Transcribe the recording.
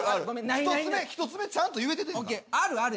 １つ目ちゃんと言えててんから。